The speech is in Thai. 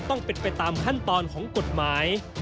ต้องเป็นไปตามขั้นตอนของกฎหมาย